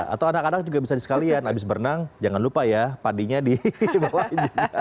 atau anak anak juga bisa sekalian habis berenang jangan lupa ya padinya di bawah ini